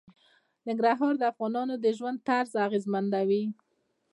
ننګرهار د افغانانو د ژوند طرز اغېزمنوي.